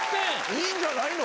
いいんじゃないの？